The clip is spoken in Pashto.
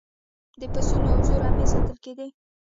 د پسونو او وزو رمې ساتل کیدې